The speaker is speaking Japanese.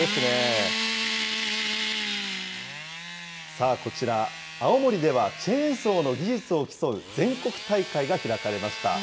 さあこちら、青森ではチェーンソーの技術を競う全国大会が開かれました。